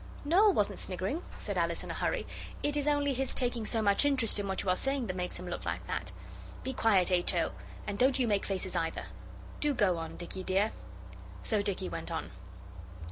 'Noel wasn't sniggering,' said Alice in a hurry; 'it is only his taking so much interest in what you were saying makes him look like that. Be quiet, H. O., and don't you make faces, either. Do go on, Dicky dear.' So Dicky went on.